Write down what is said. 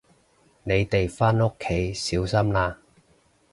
你哋返屋企小心啦